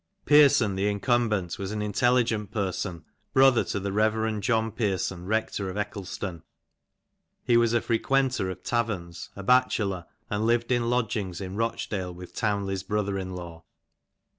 Pearson the incumbent was an intelligent person^ brother to the Rev. John Pearson rector of Eccleston. He was a frequenter of taverns, a bachelor, and lived in lodgings in Rochdale with Town ley's brother in law.